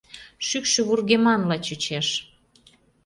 Шӱкшӧ вургеманла чучеш.